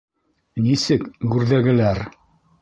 — Нисек гүрҙәгеләр?